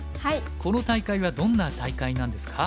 この大会はどんな大会なんですか？